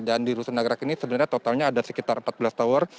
dan di rusun nagrak ini sebenarnya totalnya ada sekitar empat belas tower